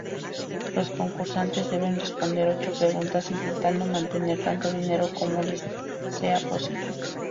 Los concursantes deben responder ocho preguntas intentando mantener tanto dinero como les sea posible.